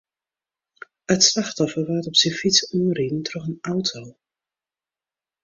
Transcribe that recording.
It slachtoffer waard op syn fyts oanriden troch in auto.